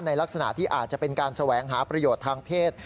ลักษณะที่อาจจะเป็นการแสวงหาประโยชน์ทางเพศ